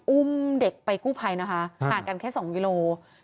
อุ้มเด็กไปกู้ภัยนะคะห่างกันแค่๒กิโล